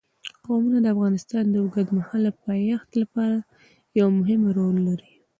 قومونه د افغانستان د اوږدمهاله پایښت لپاره یو مهم رول لري.